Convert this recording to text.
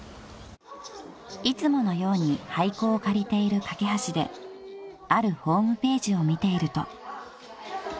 ［いつものように廃校を借りているかけはしであるホームページを見ていると］